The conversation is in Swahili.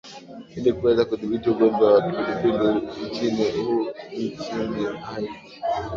ili kuweza kudhibiti ugonjwa wa kipindupindu nchini hu nchini haiti